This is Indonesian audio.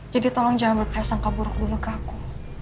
jadi tolong jangan berperasaan keburuk dulu ke aku